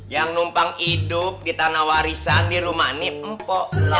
yang numpang hidup di tanah warisan di rumah ni mpo lo